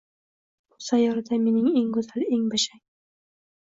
bu sayyorada mening eng go‘zal, eng bashang